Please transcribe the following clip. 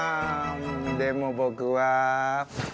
でも僕は。